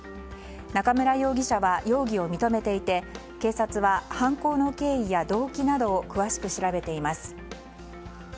中村容疑者は容疑を認めていて警察は、犯行の経緯や動機などを詳しく調べています。